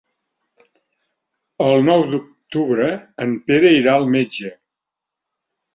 El nou d'octubre en Pere irà al metge.